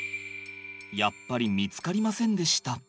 やっぱり見つかりませんでした。